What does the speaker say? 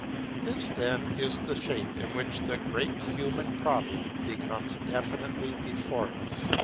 This, then, is the shape in which the great human problem comes definitely before us.